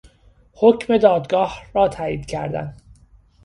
حکم دادگاه را تایید کردن